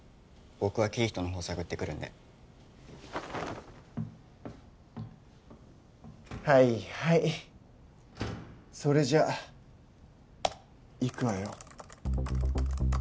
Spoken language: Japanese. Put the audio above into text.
僕はキリヒトの方探ってくるんではいはいそれじゃいくわよ